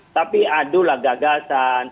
tapi adu lah gagasan